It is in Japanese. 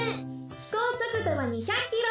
飛行速度は２００キロ。